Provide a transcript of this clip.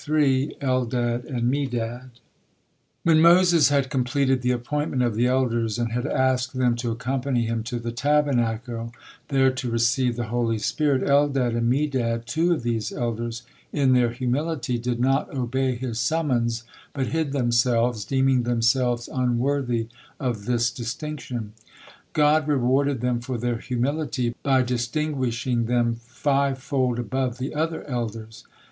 ELDAD AND MEDAD When Moses had completed the appointment of the elders and had asked them to accompany him to the Tabernacle, there to receive the Holy Spirit, Eldad and Medad, two of these elders, in their humility, did not obey his summons, but hid themselves, deeming themselves unworthy of this distinction. God rewarded them for their humility by distinguishing them five fold above the other elders.